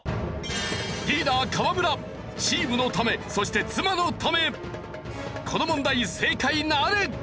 リーダー河村チームのためそして妻のためこの問題正解なるか？